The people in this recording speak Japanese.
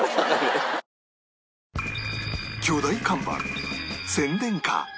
巨大看板宣伝カー